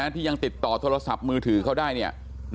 ที่ยังติดต่อโทรศัพท์มือถือเขาได้เนี่ย